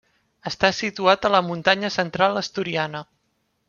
Està situat a la muntanya central asturiana.